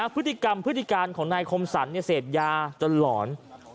พฤติกรรมพฤติการของนายคมสรรเสพยาจนหลอน